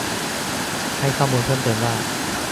ให้ข้อมูลเพิ่มเติมว่า